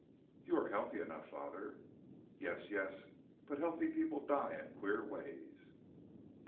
"You are healthy enough, father." "Yes! Yes but healthy people die in queer ways."